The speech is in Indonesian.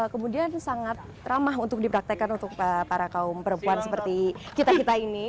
kemudian sangat ramah untuk dipraktekan untuk para kaum perempuan seperti kita kita ini